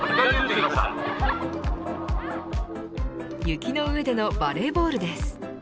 雪の上でのバレーボールです。